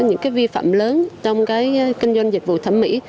những vi phạm lớn trong kinh doanh dịch vụ thẩm mỹ